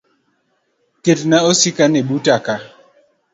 Ketna osikani buta ka.